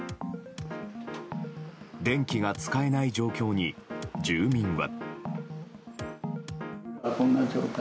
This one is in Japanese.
電気が使えない状況に、住民は。